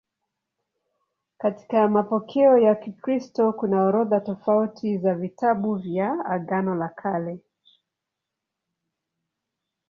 Katika mapokeo ya Kikristo kuna orodha tofauti za vitabu vya Agano la Kale.